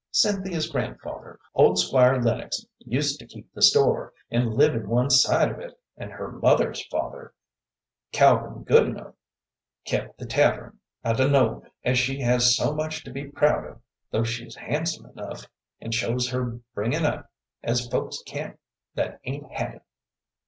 Cynthia's grandfather, old Squire Lennox, used to keep the store, and live in one side of it, and her mother's father, Calvin Goodenough, kept the tavern. I dunno as she has so much to be proud of, though she's handsome enough, and shows her bringin' up, as folks can't that ain't had it."